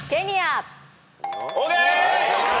ＯＫ！